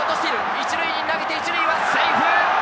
１塁に投げて、１塁はセーフ！